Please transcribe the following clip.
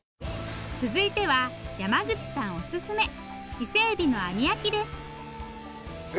続いては山口さんおすすめ伊勢エビの網焼きです。え！